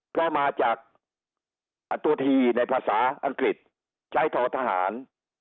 ก็มาจากตัวทีในภาษาอังกฤษใช้ทอทหาร